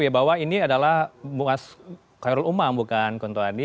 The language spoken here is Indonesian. jadi ke bawah ini adalah khairul umam bukan kuntro adi